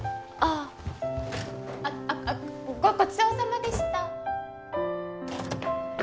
あああごごちそうさまでした。